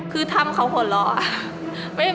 คือทำเขาหัวเราะ